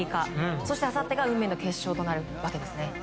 そして、あさってが運命の決勝となるわけですね。